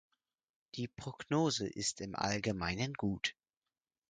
Die Prognose ist im Allgemeinen gut.